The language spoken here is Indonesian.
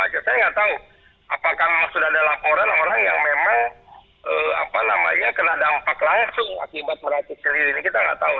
saya nggak tahu apakah memang sudah ada laporan orang yang memang kena dampak langsung akibat meracik sendiri ini kita nggak tahu